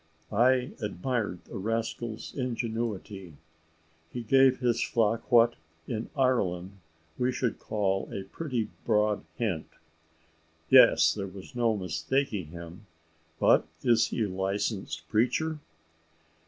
I admired the rascal's ingenuity; he gave his flock what, in Ireland, we should call a pretty broad hint." "Yes, there was no mistaking him; but is he a licensed preacher?"